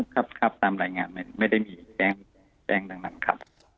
ครับตามรายงานไม่ได้มีแจ้งดังนั้นครับ